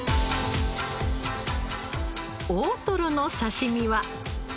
大トロの刺身は？